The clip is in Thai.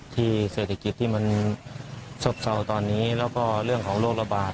เศรษฐกิจที่มันซบเศร้าตอนนี้แล้วก็เรื่องของโรคระบาด